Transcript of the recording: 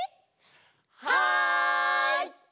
はい！